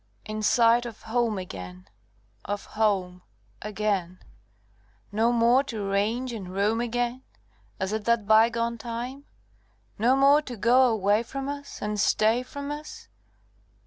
In sight of home again, Of home again; No more to range and roam again As at that bygone time? No more to go away from us And stay from us?